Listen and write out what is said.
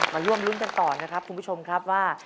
มาร่วมรุ้นกันต่อนะครับคุณผู้ชมครับว่า